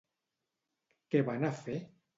Què van a fer?